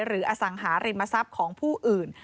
อสังหาริมทรัพย์ของผู้อื่น